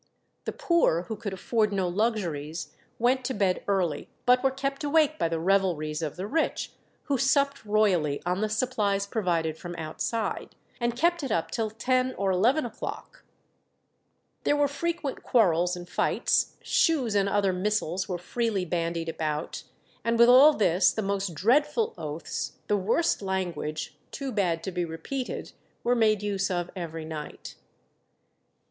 The poor, who could afford no luxuries, went to bed early, but were kept awake by the revelries of the rich, who supped royally on the supplies provided from outside, and kept it up till ten or eleven o'clock. There were frequent quarrels and fights; shoes and other missiles were freely bandied about; and with all this "the most dreadful oaths, the worst language, too bad to be repeated," were made use of every night.